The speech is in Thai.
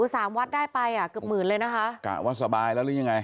สามวัดได้ไปอ่ะเกือบหมื่นเลยนะคะกะว่าสบายแล้วหรือยังไง